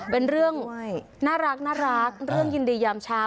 เป็นเรื่องน่ารักเรื่องยินดียามเช้า